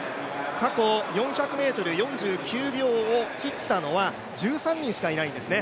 過去４００ｍ、４９秒を切ったのは１３人しかいないんですね。